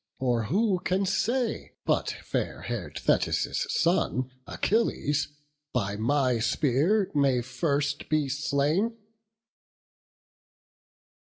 Or who can say but fair hair'd Thetis' son, Achilles, by my spear may first be slain?"